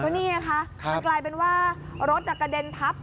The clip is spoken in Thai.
ก็นี่นะคะครับมันกลายเป็นว่ารถนักกระเด็นทับ